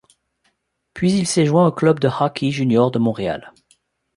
Puis, il s'est joint au club de hockey junior de Montréal.